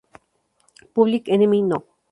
Public Enemy No.